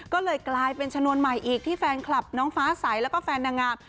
ก็เลยกลายเป็นชนวนใหม่อีกที่แฟนคลับน้องฟ้าใสแล้วก็แฟนนางงาม